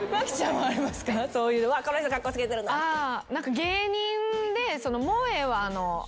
芸人で。